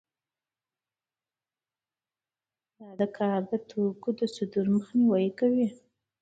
دا کار د توکو د صدور مخنیوی کوي